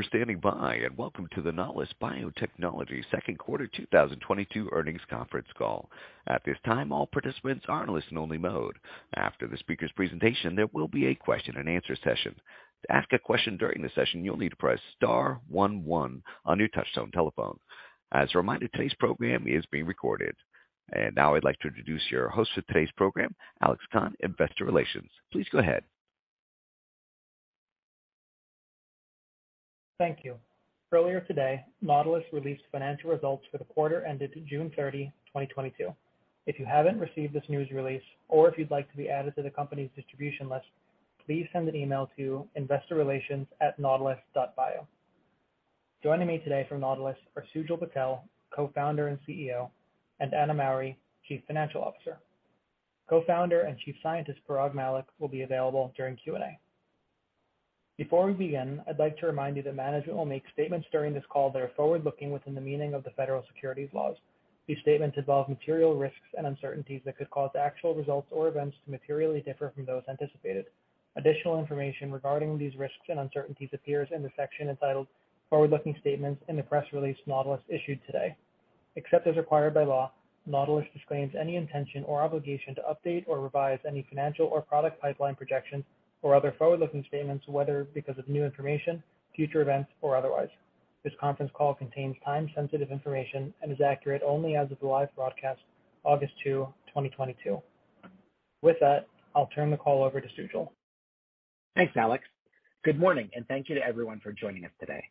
Thank you for standing by, and welcome to the Nautilus Biotechnology second quarter 2022 earnings conference call. At this time, all participants are in listen only mode. After the speaker's presentation, there will be a question and answer session. To ask a question during the session, you'll need to press star one one on your touchtone telephone. As a reminder, today's program is being recorded. Now I'd like to introduce your host for today's program, Alex Kahn, Investor Relations. Please go ahead. Thank you. Earlier today, Nautilus released financial results for the quarter ended June 30, 2022. If you haven't received this news release or if you'd like to be added to the company's distribution list, please send an email to investorrelations@nautilus.bio. Joining me today from Nautilus are Sujal Patel, Co-founder and CEO, and Anna Mowry, Chief Financial Officer. Co-founder and Chief Scientist, Parag Mallick, will be available during Q&A. Before we begin, I'd like to remind you that management will make statements during this call that are forward-looking within the meaning of the federal securities laws. These statements involve material risks and uncertainties that could cause actual results or events to materially differ from those anticipated. Additional information regarding these risks and uncertainties appears in the section entitled Forward-Looking Statements in the press release Nautilus issued today. Except as required by law, Nautilus disclaims any intention or obligation to update or revise any financial or product pipeline projections or other forward-looking statements, whether because of new information, future events, or otherwise. This conference call contains time-sensitive information and is accurate only as of the live broadcast August 2, 2022. With that, I'll turn the call over to Sujal. Thanks, Alex. Good morning, and thank you to everyone for joining us today.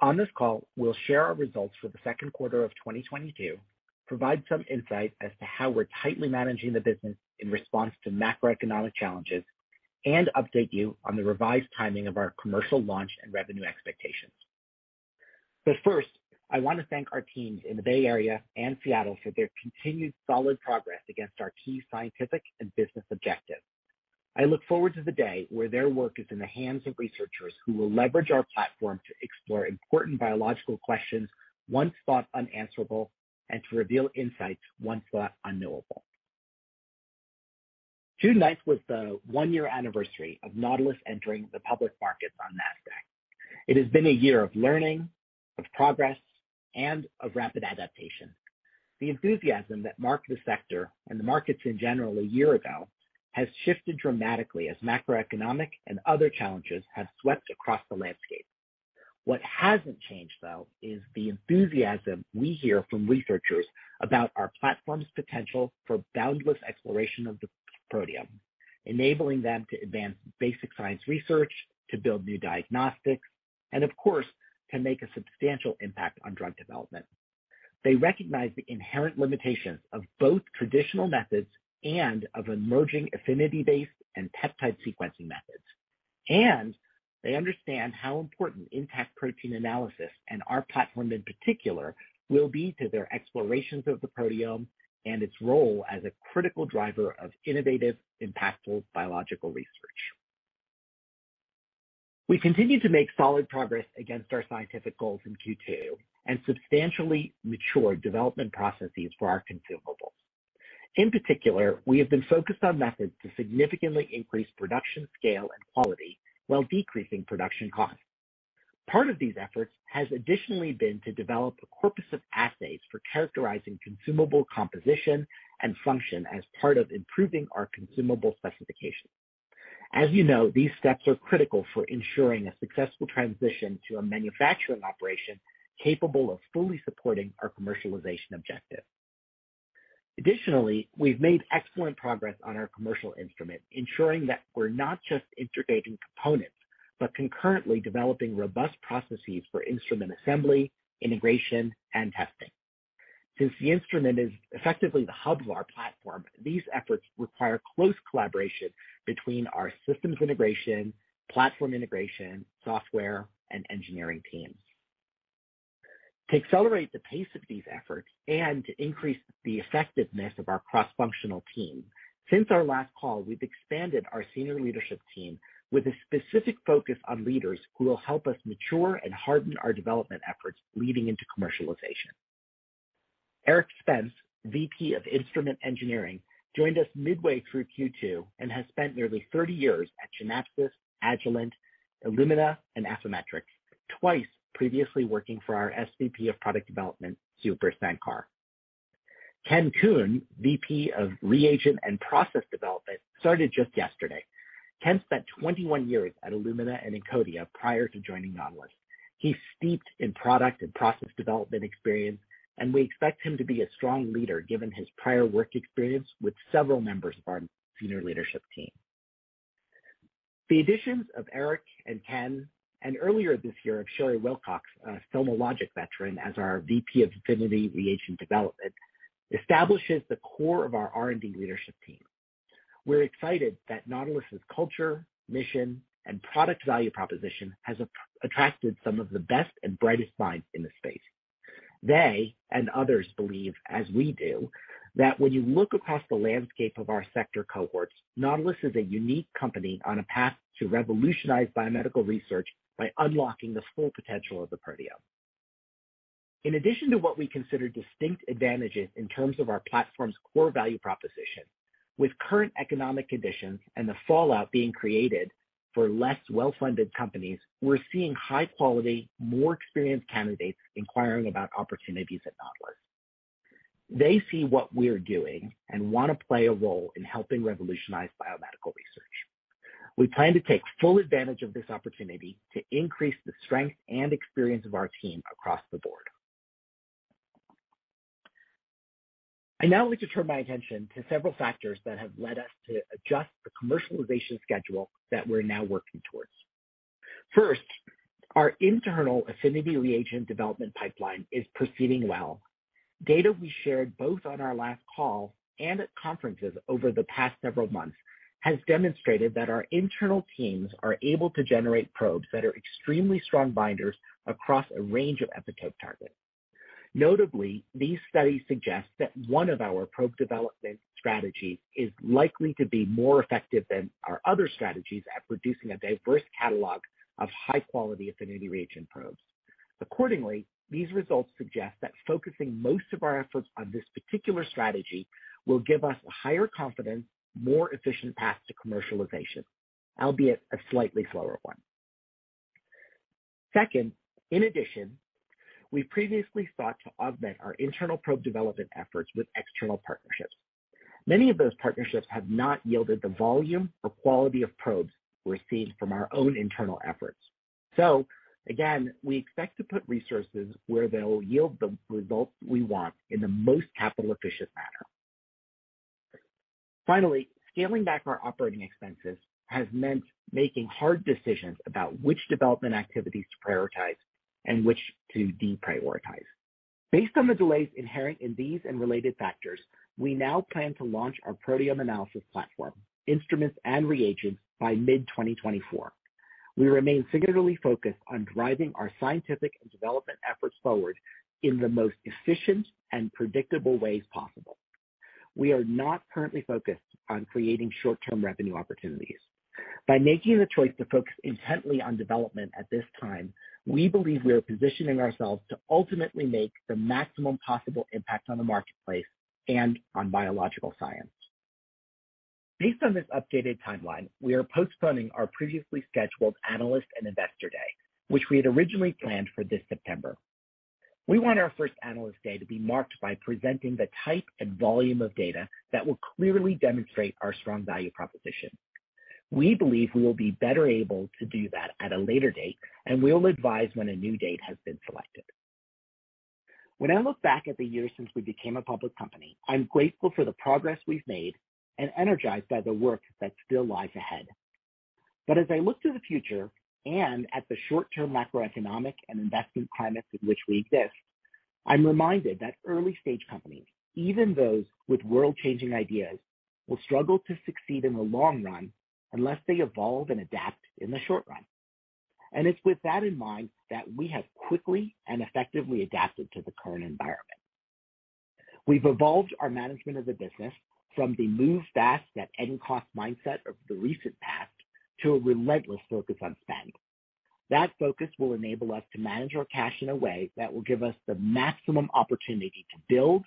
On this call, we'll share our results for the second quarter of 2022, provide some insight as to how we're tightly managing the business in response to macroeconomic challenges, and update you on the revised timing of our commercial launch and revenue expectations. First, I want to thank our teams in the Bay Area and Seattle for their continued solid progress against our key scientific and business objectives. I look forward to the day where their work is in the hands of researchers who will leverage our platform to explore important biological questions once thought unanswerable and to reveal insights once thought unknowable. June 9th was the one-year anniversary of Nautilus entering the public markets on Nasdaq. It has been a year of learning, of progress, and of rapid adaptation. The enthusiasm that marked the sector and the markets in general a year ago has shifted dramatically as macroeconomic and other challenges have swept across the landscape. What hasn't changed, though, is the enthusiasm we hear from researchers about our platform's potential for boundless exploration of the proteome, enabling them to advance basic science research, to build new diagnostics and of course, to make a substantial impact on drug development. They recognize the inherent limitations of both traditional methods and of emerging affinity-based and peptide sequencing methods. They understand how important intact protein analysis and our platform in particular, will be to their explorations of the proteome and its role as a critical driver of innovative, impactful biological research. We continue to make solid progress against our scientific goals in Q2 and substantially mature development processes for our consumables. In particular, we have been focused on methods to significantly increase production scale and quality while decreasing production costs. Part of these efforts has additionally been to develop a corpus of assays for characterizing consumable composition and function as part of improving our consumable specifications. As you know, these steps are critical for ensuring a successful transition to a manufacturing operation capable of fully supporting our commercialization objectives. Additionally, we've made excellent progress on our commercial instrument, ensuring that we're not just integrating components, but concurrently developing robust processes for instrument assembly, integration, and testing. Since the instrument is effectively the hub of our platform, these efforts require close collaboration between our systems integration, platform integration, software, and engineering teams. To accelerate the pace of these efforts and to increase the effectiveness of our cross-functional team, since our last call, we've expanded our senior leadership team with a specific focus on leaders who will help us mature and harden our development efforts leading into commercialization. Eric Spence, VP of Instrument Engineering, joined us midway through Q2 and has spent nearly 30 years at Genapsys, Agilent, Illumina, and Affymetrix, twice previously working for our SVP of Product Development, Subra Sankar. Ken Kuhn, VP of Reagent and Platform Development, started just yesterday. Ken spent 21 years at Illumina and Encodia prior to joining Nautilus. He's steeped in product and process development experience, and we expect him to be a strong leader given his prior work experience with several members of our senior leadership team. The additions of Eric and Ken, and earlier this year of Sheri Wilcox, a SomaLogic veteran as our VP of Affinity Reagent Development, establishes the core of our R&D leadership team. We're excited that Nautilus' culture, mission, and product value proposition has attracted some of the best and brightest minds in the space. They and others believe, as we do, that when you look across the landscape of our sector cohorts, Nautilus is a unique company on a path to revolutionize biomedical research by unlocking the full potential of the proteome. In addition to what we consider distinct advantages in terms of our platform's core value proposition, with current economic conditions and the fallout being created for less well-funded companies, we're seeing high quality, more experienced candidates inquiring about opportunities at Nautilus. They see what we're doing and wanna play a role in helping revolutionize biomedical research. We plan to take full advantage of this opportunity to increase the strength and experience of our team across the board. I'd now like to turn my attention to several factors that have led us to adjust the commercialization schedule that we're now working towards. First, our internal affinity reagent development pipeline is proceeding well. Data we shared both on our last call and at conferences over the past several months has demonstrated that our internal teams are able to generate probes that are extremely strong binders across a range of epitope targets. Notably, these studies suggest that one of our probe development strategies is likely to be more effective than our other strategies at producing a diverse catalog of high-quality affinity reagent probes. Accordingly, these results suggest that focusing most of our efforts on this particular strategy will give us a higher confidence, more efficient path to commercialization, albeit a slightly slower one. Second, in addition, we previously sought to augment our internal probe development efforts with external partnerships. Many of those partnerships have not yielded the volume or quality of probes we're seeing from our own internal efforts. Again, we expect to put resources where they'll yield the results we want in the most capital efficient manner. Finally, scaling back our operating expenses has meant making hard decisions about which development activities to prioritize and which to deprioritize. Based on the delays inherent in these and related factors, we now plan to launch our proteome analysis platform, instruments, and reagents by mid-2024. We remain singularly focused on driving our scientific and development efforts forward in the most efficient and predictable ways possible. We are not currently focused on creating short-term revenue opportunities. By making the choice to focus intently on development at this time, we believe we are positioning ourselves to ultimately make the maximum possible impact on the marketplace and on biological science. Based on this updated timeline, we are postponing our previously scheduled analyst and investor day, which we had originally planned for this September. We want our first analyst day to be marked by presenting the type and volume of data that will clearly demonstrate our strong value proposition. We believe we will be better able to do that at a later date, and we'll advise when a new date has been selected. When I look back at the years since we became a public company, I'm grateful for the progress we've made and energized by the work that still lies ahead. As I look to the future and at the short-term macroeconomic and investment climates in which we exist, I'm reminded that early-stage companies, even those with world-changing ideas, will struggle to succeed in the long run unless they evolve and adapt in the short run. It's with that in mind that we have quickly and effectively adapted to the current environment. We've evolved our management of the business from the move fast at any cost mindset of the recent past to a relentless focus on spending. That focus will enable us to manage our cash in a way that will give us the maximum opportunity to build,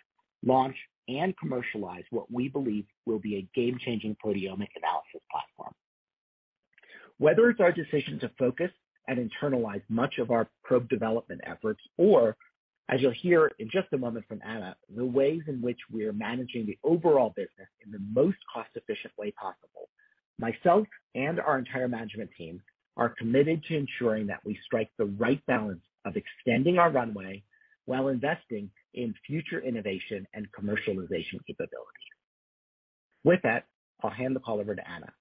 launch, and commercialize what we believe will be a game-changing proteomic analysis platform. Whether it's our decision to focus and internalize much of our probe development efforts, or, as you'll hear in just a moment from Anna, the ways in which we are managing the overall business in the most cost-efficient way possible, myself and our entire management team are committed to ensuring that we strike the right balance of extending our runway while investing in future innovation and commercialization capabilities. With that, I'll hand the call over to Anna.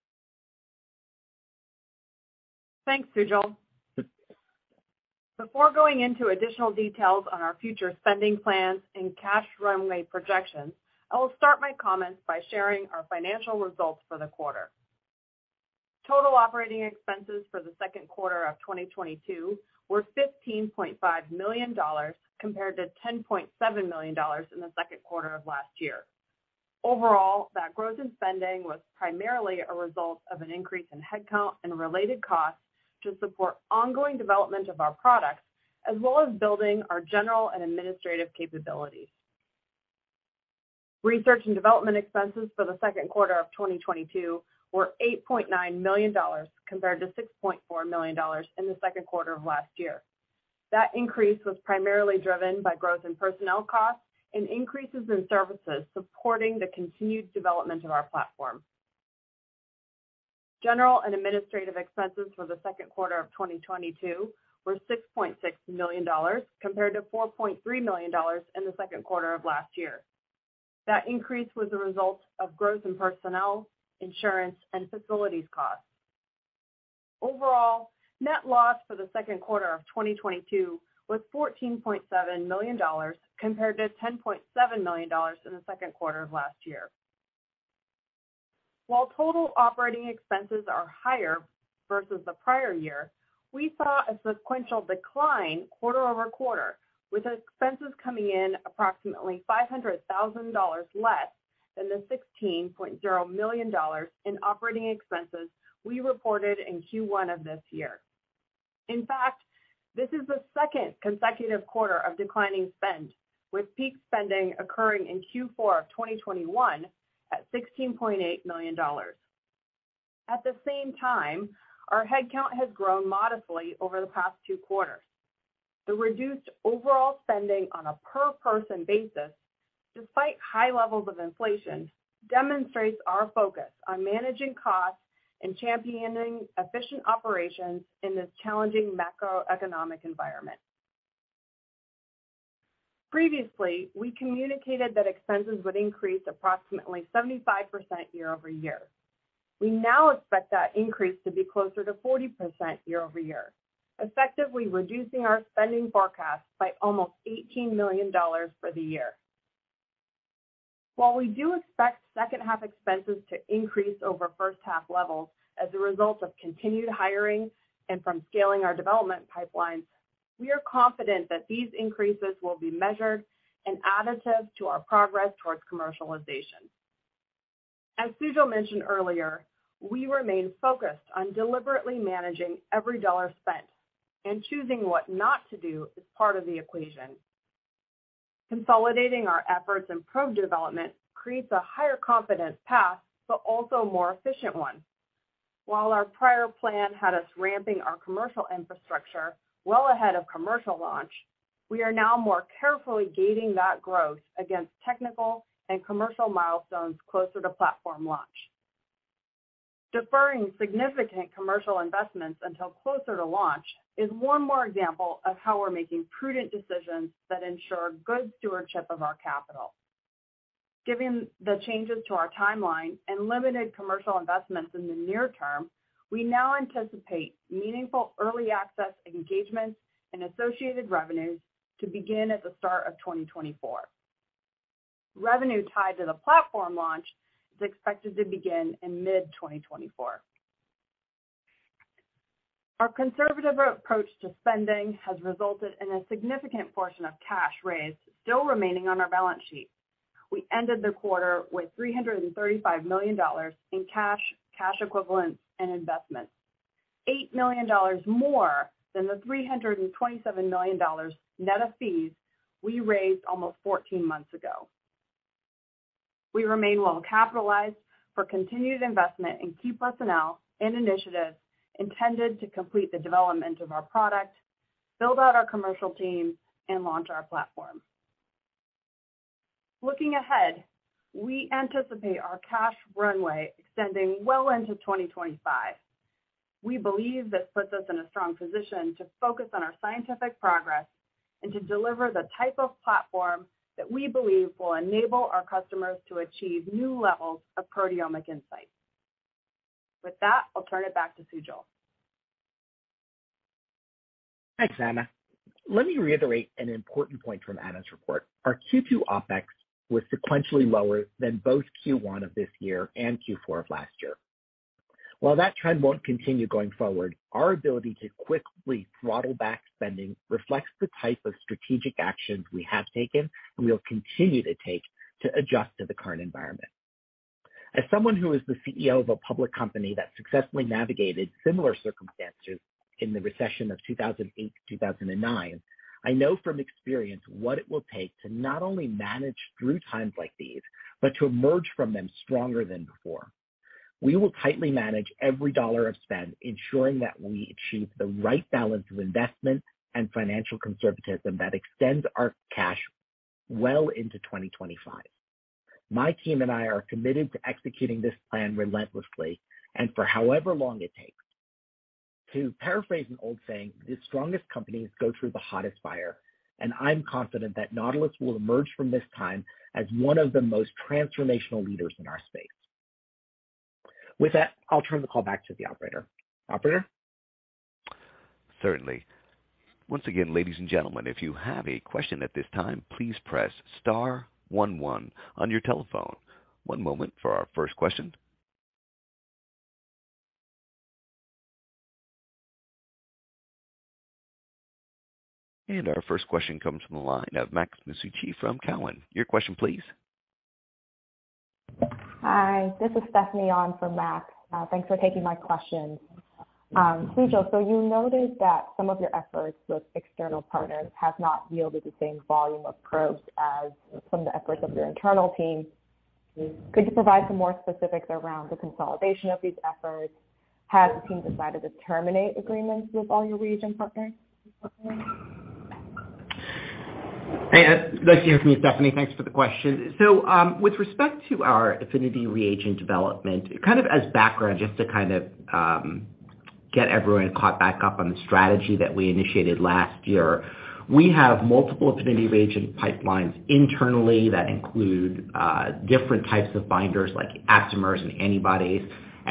Thanks, Sujal. Before going into additional details on our future spending plans and cash runway projections, I will start my comments by sharing our financial results for the quarter. Total operating expenses for the second quarter of 2022 were $15.5 million compared to $10.7 million in the second quarter of last year. Overall, that growth in spending was primarily a result of an increase in headcount and related costs to support ongoing development of our products as well as building our general and administrative capabilities. Research and development expenses for the second quarter of 2022 were $8.9 million compared to $6.4 million in the second quarter of last year. That increase was primarily driven by growth in personnel costs and increases in services supporting the continued development of our platform. General and administrative expenses for the second quarter of 2022 were $6.6 million compared to $4.3 million in the second quarter of last year. That increase was a result of growth in personnel, insurance, and facilities costs. Overall, net loss for the second quarter of 2022 was $14.7 million compared to $10.7 million in the second quarter of last year. While total operating expenses are higher versus the prior year, we saw a sequential decline quarter-over-quarter, with expenses coming in approximately $500,000 less than the $16.0 million in operating expenses we reported in Q1 of this year. In fact, this is the second consecutive quarter of declining spend, with peak spending occurring in Q4 of 2021 at $16.8 million. At the same time, our headcount has grown modestly over the past two quarters. The reduced overall spending on a per person basis, despite high levels of inflation, demonstrates our focus on managing costs and championing efficient operations in this challenging macroeconomic environment. Previously, we communicated that expenses would increase approximately 75% year over year. We now expect that increase to be closer to 40% year over year, effectively reducing our spending forecast by almost $18 million for the year. While we do expect second half expenses to increase over first half levels as a result of continued hiring and from scaling our development pipelines, we are confident that these increases will be measured and additive to our progress towards commercialization. As Sujal mentioned earlier, we remain focused on deliberately managing every dollar spent and choosing what not to do as part of the equation. Consolidating our efforts in probe development creates a higher confidence path, but also a more efficient one. While our prior plan had us ramping our commercial infrastructure well ahead of commercial launch, we are now more carefully gating that growth against technical and commercial milestones closer to platform launch. Deferring significant commercial investments until closer to launch is one more example of how we're making prudent decisions that ensure good stewardship of our capital. Given the changes to our timeline and limited commercial investments in the near term, we now anticipate meaningful early access engagements and associated revenues to begin at the start of 2024. Revenue tied to the platform launch is expected to begin in mid-2024. Our conservative approach to spending has resulted in a significant portion of cash raised still remaining on our balance sheet. We ended the quarter with $335 million in cash equivalents and investments, $8 million more than the $327 million net of fees we raised almost 14 months ago. We remain well capitalized for continued investment in key personnel and initiatives intended to complete the development of our product, build out our commercial team and launch our platform. Looking ahead, we anticipate our cash runway extending well into 2025. We believe this puts us in a strong position to focus on our scientific progress and to deliver the type of platform that we believe will enable our customers to achieve new levels of proteomic insight. With that, I'll turn it back to Sujal. Thanks, Anna. Let me reiterate an important point from Anna's report. Our Q2 OpEx was sequentially lower than both Q1 of this year and Q4 of last year. While that trend won't continue going forward, our ability to quickly throttle back spending reflects the type of strategic actions we have taken and we'll continue to take to adjust to the current environment. As someone who is the CEO of a public company that successfully navigated similar circumstances in the recession of 2008 to 2009, I know from experience what it will take to not only manage through times like these, but to emerge from them stronger than before. We will tightly manage every dollar of spend, ensuring that we achieve the right balance of investment and financial conservatism that extends our cash well into 2025. My team and I are committed to executing this plan relentlessly and for however long it takes. To paraphrase an old saying, the strongest companies go through the hottest fire, and I'm confident that Nautilus will emerge from this time as one of the most transformational leaders in our space. With that, I'll turn the call back to the operator. Operator. Certainly. Once again, ladies and gentlemen, if you have a question at this time, please press star one one on your telephone. One moment for our first question. Our first question comes from the line of Max Masucci from Cowen. Your question, please. Hi, this is Stephanie on for Max. Thanks for taking my question. Sujal, you noted that some of your efforts with external partners have not yielded the same volume of probes as some of the efforts of your internal team. Could you provide some more specifics around the consolidation of these efforts? Have the team decided to terminate agreements with all your reagent partners? Hey, nice to hear from you, Stephanie. Thanks for the question. With respect to our affinity reagent development, kind of as background, just to kind of get everyone caught back up on the strategy that we initiated last year. We have multiple affinity reagent pipelines internally that include different types of binders like aptamers and antibodies.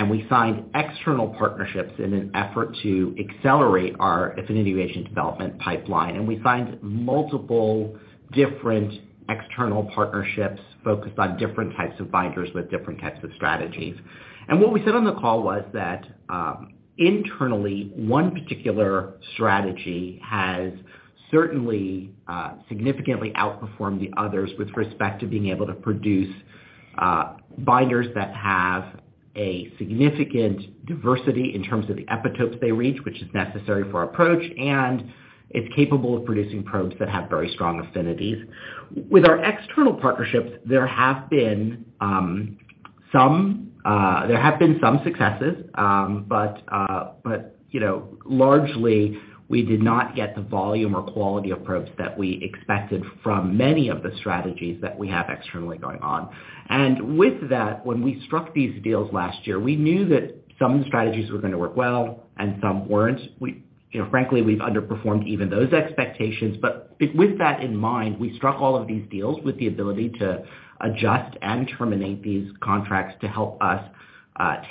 We signed external partnerships in an effort to accelerate our affinity reagent development pipeline. We signed multiple different external partnerships focused on different types of binders with different types of strategies. What we said on the call was that internally, one particular strategy has certainly significantly outperformed the others with respect to being able to produce binders that have a significant diversity in terms of the epitopes they reach, which is necessary for our approach, and it's capable of producing probes that have very strong affinities. With our external partnerships, there have been some successes, but you know, largely, we did not get the volume or quality of probes that we expected from many of the strategies that we have externally going on. With that, when we struck these deals last year, we knew that some strategies were gonna work well and some weren't. We, you know, frankly, we've underperformed even those expectations. With that in mind, we struck all of these deals with the ability to adjust and terminate these contracts to help us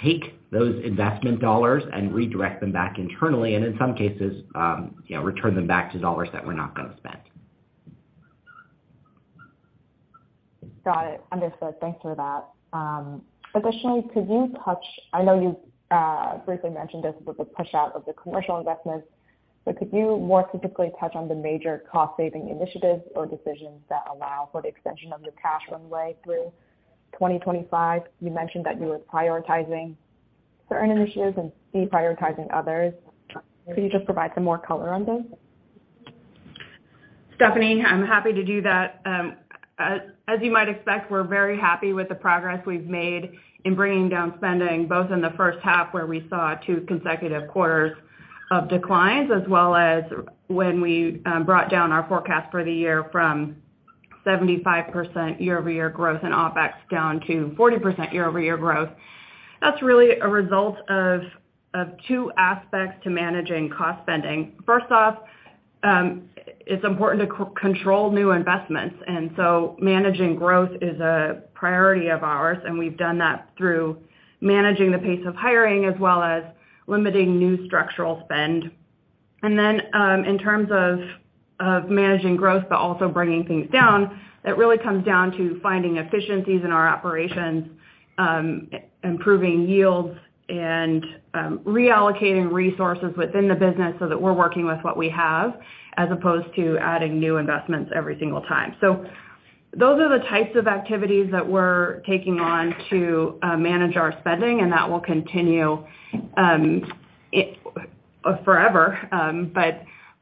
take those investment dollars and redirect them back internally, and in some cases, you know, return them back to dollars that we're not gonna spend. Got it. Understood. Thanks for that. Additionally, I know you briefly mentioned this with the push-out of the commercial investments, but could you more specifically touch on the major cost-saving initiatives or decisions that allow for the extension of your cash runway through 2025? You mentioned that you were prioritizing certain initiatives and deprioritizing others. Could you just provide some more color on this? Stephanie, I'm happy to do that. As you might expect, we're very happy with the progress we've made in bringing down spending, both in the first half, where we saw two consecutive quarters of declines, as well as when we brought down our forecast for the year from 75% year-over-year growth in OpEx down to 40% year-over-year growth. That's really a result of two aspects to managing cost spending. First off, it's important to control new investments, and so managing growth is a priority of ours, and we've done that through managing the pace of hiring as well as limiting new structural spend. In terms of managing growth but also bringing things down, that really comes down to finding efficiencies in our operations, improving yields and reallocating resources within the business so that we're working with what we have as opposed to adding new investments every single time. Those are the types of activities that we're taking on to manage our spending, and that will continue forever,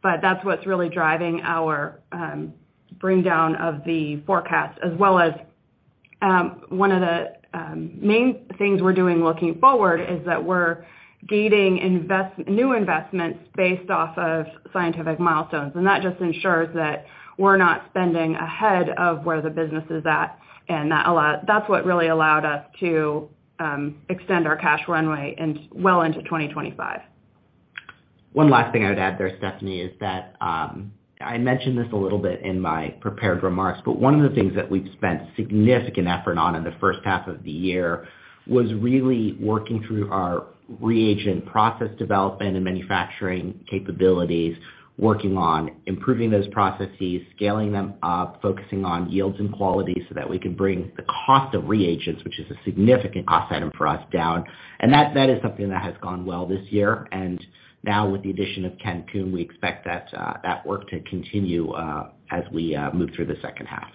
but that's what's really driving our bring down of the forecast. One of the main things we're doing looking forward is that we're gating new investments based off of scientific milestones. That just ensures that we're not spending ahead of where the business is at, and that's what really allowed us to extend our cash runway well into 2025. One last thing I would add there, Stephanie, is that I mentioned this a little bit in my prepared remarks, but one of the things that we've spent significant effort on in the first half of the year was really working through our reagent process development and manufacturing capabilities, working on improving those processes, scaling them up, focusing on yields and quality so that we can bring the cost of reagents, which is a significant cost item for us, down. That is something that has gone well this year. Now with the addition of Ken Kuhn, we expect that work to continue as we move through the second half.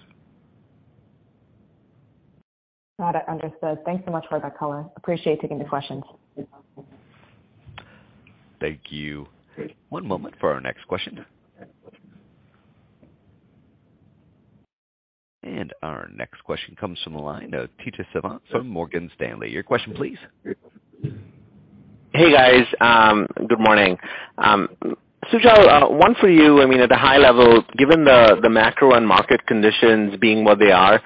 Got it. Understood. Thanks so much for that color. Appreciate taking the questions. Thank you. One moment for our next question. Our next question comes from the line of Tejas Savant from Morgan Stanley. Your question please. Hey, guys. Good morning. Sujal, one for you. I mean, at a high level, given the macro and market conditions being what they are,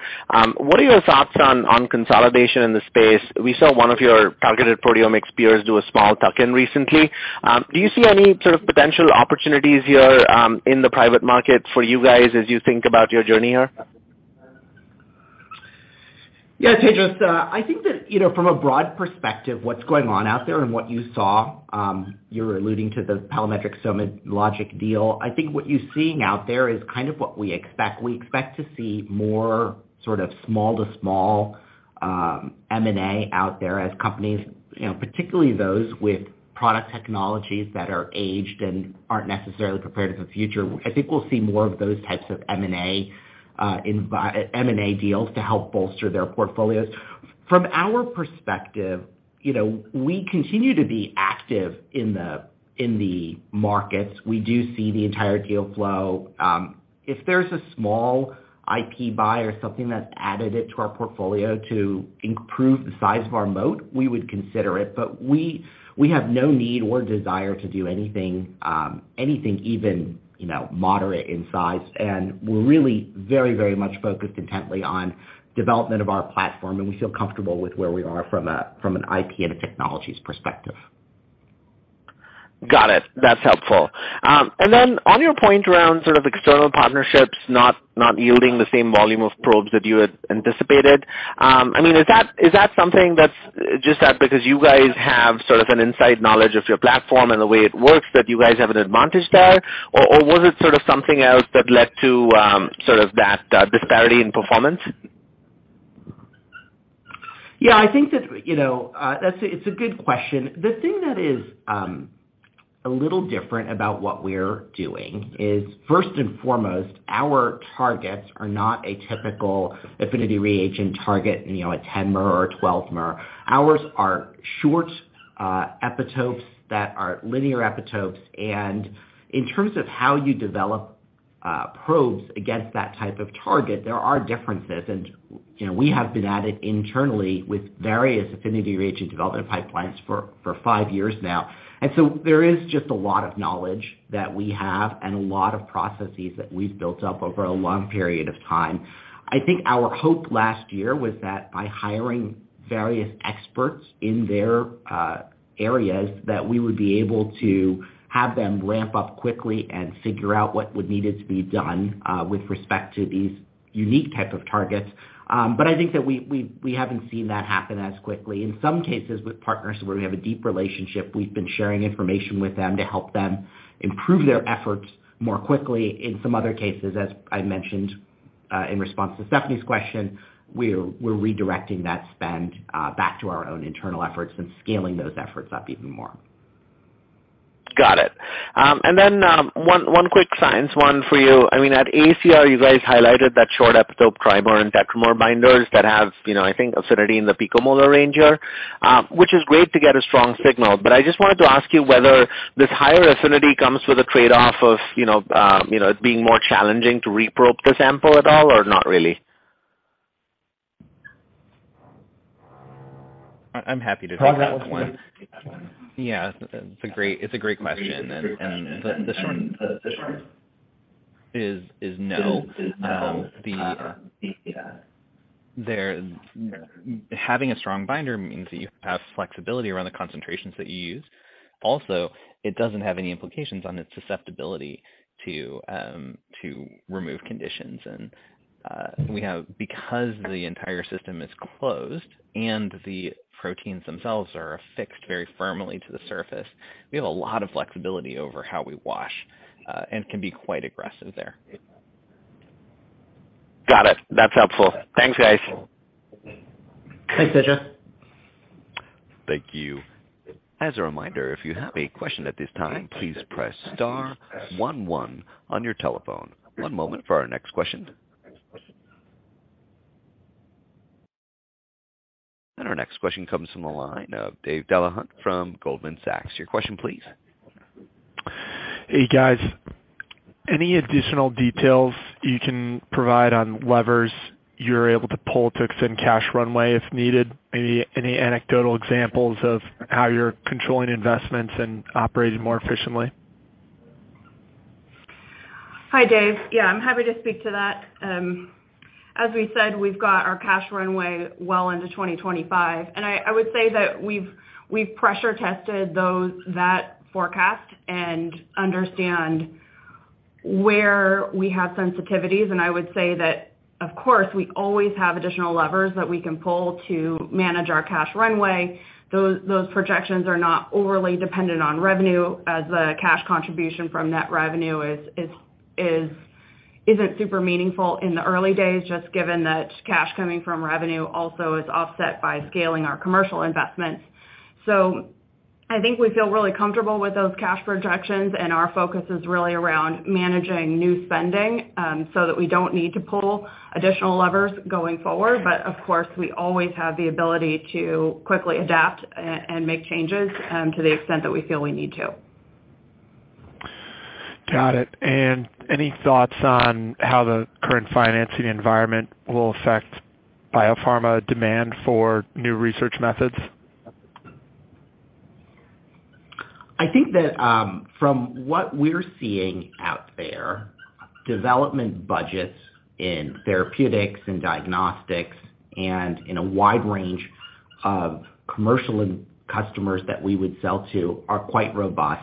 what are your thoughts on consolidation in the space? We saw one of your targeted proteomics peers do a small tuck-in recently. Do you see any sort of potential opportunities here, in the private market for you guys as you think about your journey here? Yeah, Tejas, I think that, you know, from a broad perspective, what's going on out there and what you saw, you're alluding to the Palamedrix-SomaLogic deal. I think what you're seeing out there is kind of what we expect. We expect to see more sort of small to small, M&A out there as companies, you know, particularly those with product technologies that are aged and aren't necessarily prepared for the future. I think we'll see more of those types of M&A deals to help bolster their portfolios. From our perspective, you know, we continue to be active in the markets. We do see the entire deal flow. If there's a small IP buy or something that's additive to our portfolio to improve the size of our moat, we would consider it. We have no need or desire to do anything even, you know, moderate in size. We're really very, very much focused intently on development of our platform, and we feel comfortable with where we are from an IP and a technologies perspective. Got it. That's helpful. On your point around sort of external partnerships not yielding the same volume of probes that you had anticipated, I mean, is that something that's just that because you guys have sort of an inside knowledge of your platform and the way it works that you guys have an advantage there? Or was it sort of something else that led to sort of that disparity in performance? Yeah. I think that, you know, that's a good question. The thing that is a little different about what we're doing is, first and foremost, our targets are not a typical affinity reagent target, you know, a 10-mer or a 12-mer. Ours are short epitopes that are linear epitopes. In terms of how you develop probes against that type of target, there are differences. You know, we have been at it internally with various affinity reagent development pipelines for five years now. There is just a lot of knowledge that we have and a lot of processes that we've built up over a long period of time. I think our hope last year was that by hiring various experts in their areas, that we would be able to have them ramp up quickly and figure out what would needed to be done with respect to these unique type of targets. I think that we haven't seen that happen as quickly. In some cases, with partners where we have a deep relationship, we've been sharing information with them to help them improve their efforts more quickly. In some other cases, as I mentioned in response to Stephanie's question, we're redirecting that spend back to our own internal efforts and scaling those efforts up even more. Got it. One quick science one for you. I mean, at AACR, you guys highlighted that short epitope trimer and tetramer binders that have, you know, I think, affinity in the picomolar range here, which is great to get a strong signal. I just wanted to ask you whether this higher affinity comes with a trade-off of, you know, it being more challenging to reprobe the sample at all or not really? I'm happy to take that one. Yeah, it's a great question. The short is no. Having a strong binder means that you have flexibility around the concentrations that you use. Also, it doesn't have any implications on its susceptibility to remove conditions. Because the entire system is closed and the proteins themselves are affixed very firmly to the surface, we have a lot of flexibility over how we wash, and can be quite aggressive there. Got it. That's helpful. Thanks, guys. Thanks, Tejas. Thank you. As a reminder, if you have a question at this time, please press star one one on your telephone. One moment for our next question. Our next question comes from the line of David Delahunt from Goldman Sachs. Your question please. Hey, guys. Any additional details you can provide on levers you're able to pull to extend cash runway if needed? Any anecdotal examples of how you're controlling investments and operating more efficiently? Hi, Dave. Yeah, I'm happy to speak to that. As we said, we've got our cash runway well into 2025. I would say that we've pressure tested that forecast and understand where we have sensitivities. I would say that, of course, we always have additional levers that we can pull to manage our cash runway. Those projections are not overly dependent on revenue as the cash contribution from net revenue isn't super meaningful in the early days, just given that cash coming from revenue also is offset by scaling our commercial investments. I think we feel really comfortable with those cash projections, and our focus is really around managing new spending, so that we don't need to pull additional levers going forward. Of course, we always have the ability to quickly adapt and make changes, to the extent that we feel we need to. Got it. Any thoughts on how the current financing environment will affect biopharma demand for new research methods? I think that from what we're seeing out there, development budgets in therapeutics and diagnostics and in a wide range of commercial customers that we would sell to are quite robust.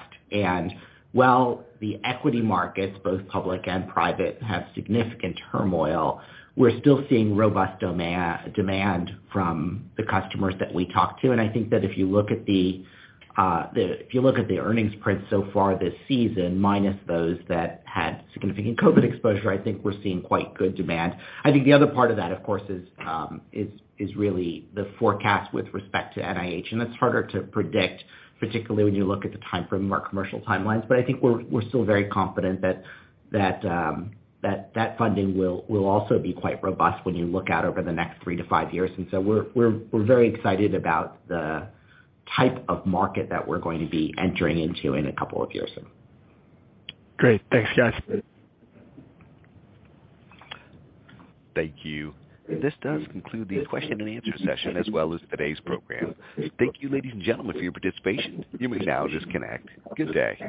While the equity markets, both public and private, have significant turmoil, we're still seeing robust demand from the customers that we talk to. I think that if you look at the earnings prints so far this season, minus those that had significant COVID exposure, I think we're seeing quite good demand. I think the other part of that, of course, is really the forecast with respect to NIH, and that's harder to predict, particularly when you look at the timeframe of our commercial timelines. I think we're still very confident that funding will also be quite robust when you look out over the next three to five years. We're very excited about the type of market that we're going to be entering into in a couple of years. Great. Thanks, guys. Thank you. This does conclude the question and answer session as well as today's program. Thank you, ladies and gentlemen, for your participation. You may now disconnect. Good day.